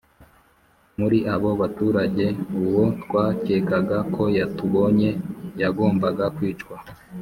muri abo baturage, uwo twakekaga ko yatubonye yagombaga kwicwa